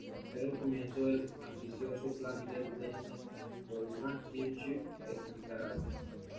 Era el comienzo del ambicioso plan del daimyō Toyotomi Hideyoshi de conquistar Asia.